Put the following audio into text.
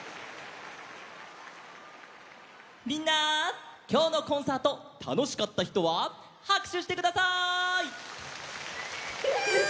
みんなきょうのコンサートたのしかったひとははくしゅしてください！